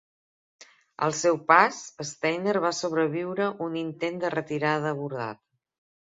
Al seu pas, Steiner va sobreviure un intent de retirada abordat.